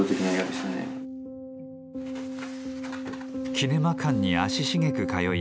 キネマ館に足しげく通い